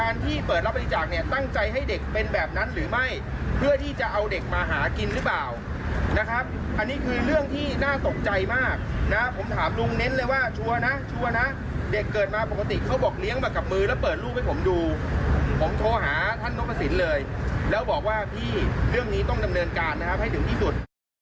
เรื่องนี้ต้องดำเนินการให้ถึงที่สุด